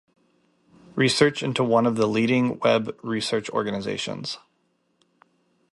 Research into one of the leading Web research organizations.